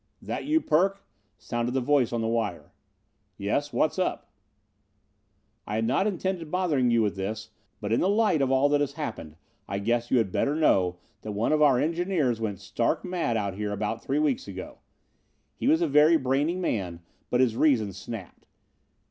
"This you, Perk?" sounded the voice on the wire. "Yes, what's up?" "I had not intended bothering you with this, but in the light of all that has happened I guess you had better know that one of our engineers went stark mad out here about three weeks ago. He was a very brainy man but his reason snapped.